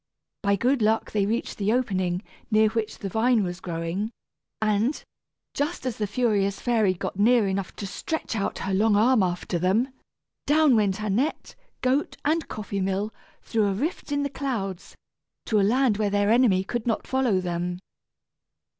By good luck they reached the opening, near which the vine was growing, and, just as the furious fairy got near enough to stretch out her long arm after them, down went Annette, goat, and coffee mill, through a rift in the clouds, to a land where their enemy could not follow them.